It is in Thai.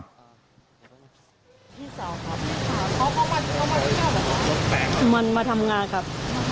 พี่สาวครับมันมาทำงานครับ